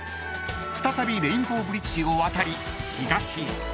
［再びレインボーブリッジを渡り東へ］